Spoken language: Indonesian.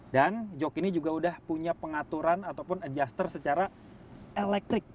dan jok ini juga sudah punya pengaturan ataupun adjuster secara elektrik